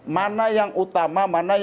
mana yang utama